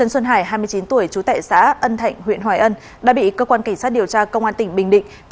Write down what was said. sáng tuần anh mình đi học rồi anh